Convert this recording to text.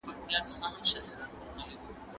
هغه وویل چې کلتورونه سره توپیر لري.